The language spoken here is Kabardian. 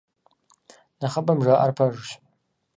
Нэхъыбэм жаӀэр пэжщ.